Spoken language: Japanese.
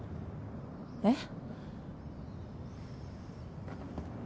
えっ？